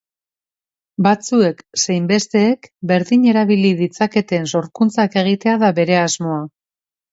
Batzuek zein besteek berdin erabili ditzaketen sorkuntzak egitea da bere asmoa.